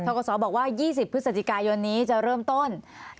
กศบอกว่า๒๐พฤศจิกายนนี้จะเริ่มต้น